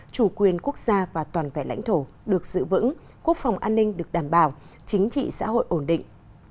chủ quyền quốc gia và toàn vẹn lãnh thổ được giữ vững quốc phòng an ninh được đảm bảo chính trị xã hội ổn định